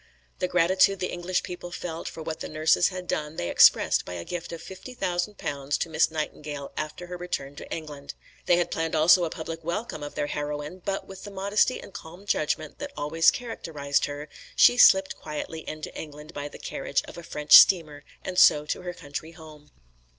The gratitude the English people felt for what the nurses had done they expressed by a gift of fifty thousand pounds to Miss Nightingale after her return to England. They had planned also a public welcome of their heroine, but with the modesty and calm judgment that always characterised her, she slipped quietly into England by the carriage of a French steamer and so to her country home.